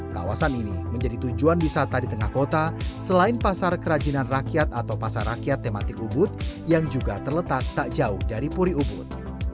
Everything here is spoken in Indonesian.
kawasan ini menjadi tujuan wisata di tengah kota selain pasar kerajinan rakyat atau pasar rakyat tematik ubud yang juga terletak tak jauh dari puri ubud